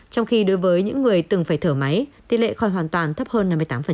trong khi đối với những người từng phải thở máy tỷ lệ khỏi hoàn toàn thấp hơn năm mươi tám